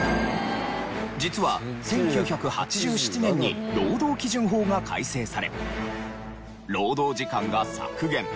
実は１９８７年に労働基準法が改正され労働時間が削減。